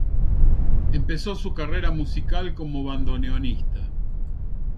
Empezó su carrera musical como bandoneonista.